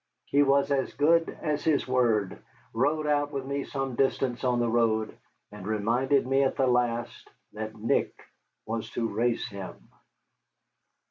He was as good as his word, rode out with me some distance on the road, and reminded me at the last that Nick was to race him.